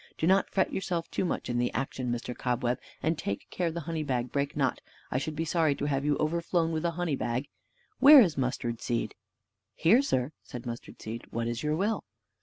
Do not fret yourself too much in the action, Mr. Cobweb, and take care the honey bag break not; I should be sorry to have you overflown with a honey bag. Where is Mustard seed?" "Here, sir," said Mustard seed: "what is your will?"